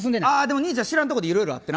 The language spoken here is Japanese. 兄ちゃん知らんところでいろいろあってな。